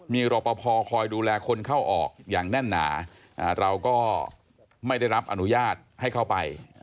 มีรอปภคอยดูแลคนเข้าออกอย่างแน่นหนาเราก็ไม่ได้รับอนุญาตให้เข้าไป